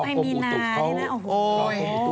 ไปมีนานี่นะ